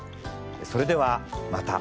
それではまた。